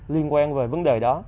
liên quan về vấn đề đó